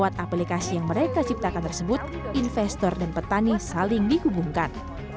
lewat aplikasi yang mereka ciptakan tersebut investor dan petani saling dihubungkan